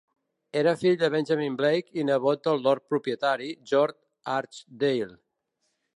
Era fill de Benjamin Blake i nebot del lord propietari, John Archdale.